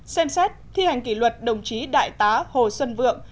xem xét thi hành kỷ luật đồng chí đại tá hồ xuân vượng